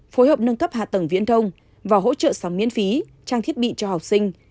phối hợp nâng cấp hạ tầng viễn thông và hỗ trợ sóng miễn phí trang thiết bị cho học sinh